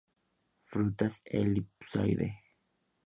Frutas elipsoide.